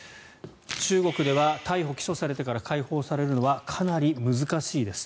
中国では逮捕・起訴されてから解放されるのはかなり難しいです。